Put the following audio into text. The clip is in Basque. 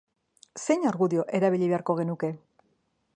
Zein argudio erabili beharko genuke?